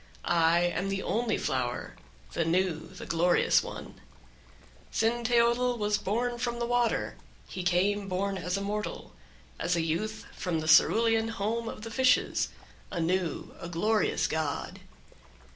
I am the only flower, the new, the glorious one. 4. Cinteotl was born from the water; he came born as a mortal, as a youth, from the cerulean home of the fishes, a new, a glorious god.